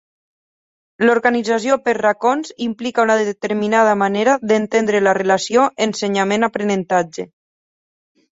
L'organització per racons implica una determinada manera d'entendre la relació ensenyament-aprenentatge.